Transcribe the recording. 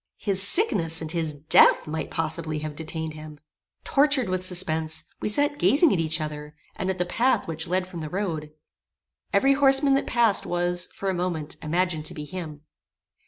His sickness and his death might possibly have detained him. Tortured with suspense, we sat gazing at each other, and at the path which led from the road. Every horseman that passed was, for a moment, imagined to be him.